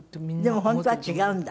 でも本当は違うんだ？